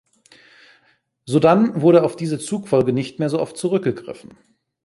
Sodann wurde auf diese Zugfolge nicht mehr so oft zurückgegriffen.